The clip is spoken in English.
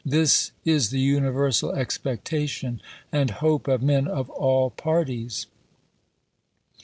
This is the universal expectation and hope of men of all parties."